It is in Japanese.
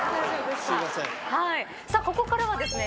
さあここからはですね